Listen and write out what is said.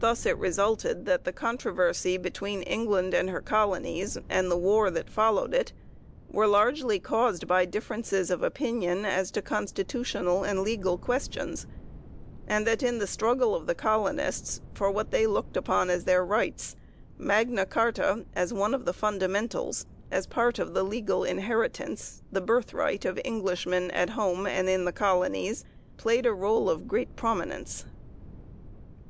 Thus it resulted that the controversy between England and her colonies and the war that followed it were largely caused by differences of opinion as to constitutional and legal questions, and that in the struggle of the colonists for what they looked upon as their rights, Magna Carta, as one of the fundamentals, as a part of the legal inheritance, the " birth right," of Englishmen at home and in the colonies, played a role of great prominence.